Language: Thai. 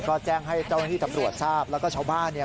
ก็แจ้งให้เจ้าหน้าที่ตำรวจทราบแล้วก็ชาวบ้านเนี่ย